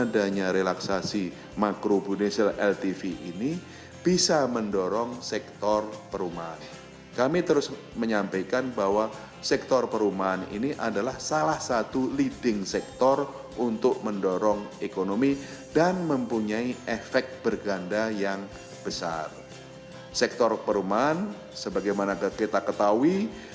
dan juga melakukan praktik manajemen risiko yang mereka miliki